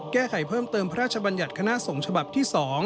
แก้ไขเพิ่มเติมพระราชบัญญัติคณะสงฆ์ฉบับที่๒